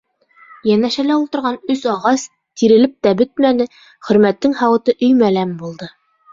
Йәнәшәлә ултырған өс ағас тирелеп тә бөтмәне, Хөрмәттең һауыты өймәләм булды.